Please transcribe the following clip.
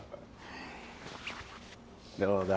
どうだ？